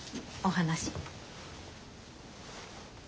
お話。